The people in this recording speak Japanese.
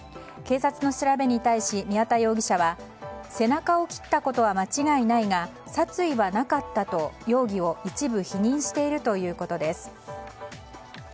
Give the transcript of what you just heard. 警察の調べに対し、宮田容疑者は背中を切ったことは間違いないが殺意はなかったと容疑を一部否認しているということです。